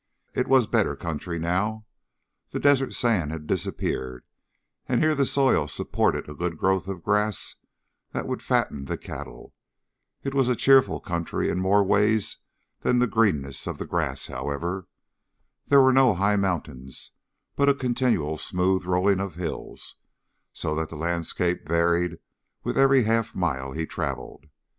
It was better country now. The desert sand had disappeared, and here the soil supported a good growth of grass that would fatten the cattle. It was a cheerful country in more ways than the greenness of the grass, however. There were no high mountains, but a continual smooth rolling of hills, so that the landscape varied with every half mile he traveled.